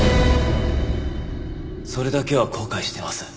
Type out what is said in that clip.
それだけは後悔してます。